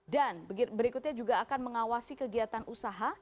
dan berikutnya juga akan mengawasi kegiatan usaha